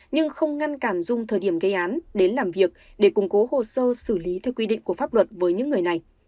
nhưng không ngăn cản dung thời điểm gây án đến làm việc để củng cố hồ sơ xử lý theo quy định của pháp luật với những người này